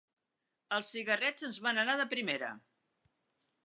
Els cigarrets ens van anar de primera.